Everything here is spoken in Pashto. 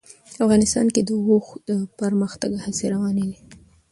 افغانستان کې د اوښ د پرمختګ هڅې روانې دي.